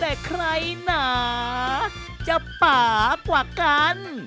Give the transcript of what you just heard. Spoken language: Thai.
แต่ใครหนาจะป่ากว่ากัน